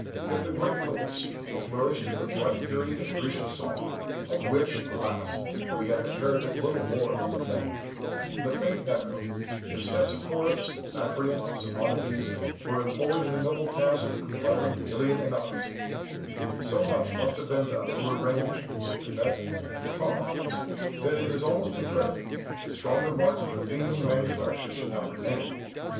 If the great poets, who flourished at the bright period of Grecian song, of which, alas! we have inherited little more than the fame, and the faint echo, if Stesichorus, Anacreon, and Simonidês were employed in the noble task of compiling the Iliad and Odyssey, so much must have been done to arrange, to connect, to harmonize, that it is almost incredible, that stronger marks of Athenian manufacture should not remain.